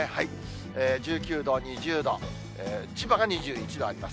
１９度、２０度、千葉が２１度あります。